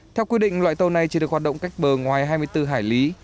theo quy định loại tàu này chỉ được hoạt động cách bờ ngoài hai mươi bốn hải lý